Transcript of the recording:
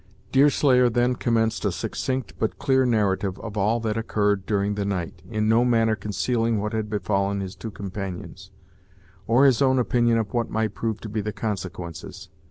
Deerslayer then commenced a succinct but clear narrative of all that occurred during the night, in no manner concealing what had befallen his two companions, or his own opinion of what might prove to be the consequences.